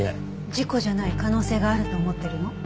事故じゃない可能性があると思ってるの？